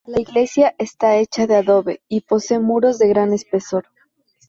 La iglesia esta hecha de adobe y posee muros de gran espesor.